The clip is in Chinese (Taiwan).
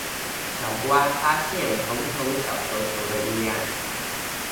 小蝸發現蓬蓬小球球的異樣